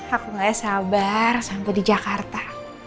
aku gak sabar sanggup di jakarta